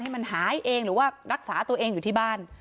ให้มันหายเองหรือว่ารักษาตัวเองอยู่ที่บ้าน